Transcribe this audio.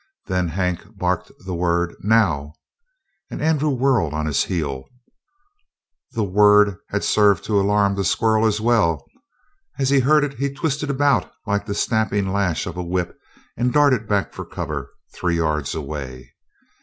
Then Hank barked the word, "Now!" and Andrew whirled on his heel. The word had served to alarm the squirrel as well. As he heard it, he twisted about like the snapping lash of a whip and darted back for cover, three yards away.